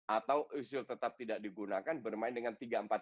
atau usul tetap tidak digunakan bermain dengan tiga empat tiga